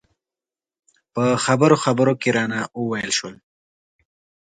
په خبرو خبرو کې رانه وویل شول.